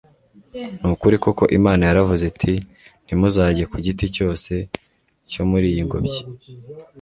«Ni ukuri koko Imana yaravuze iti : Ntimuzarye ku giti cyose cyo muri iyi ngobyi ?».